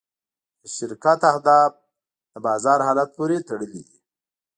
د شرکت اهداف د بازار حالت پورې تړلي دي.